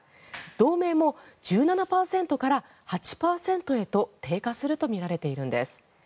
同盟も１７％から８％へと低下するとみられているんです。